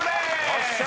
よっしゃ！